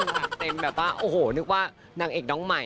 เหมือนนางเอกน้องใหม่